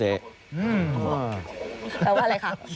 แปลว่าอะไรครับ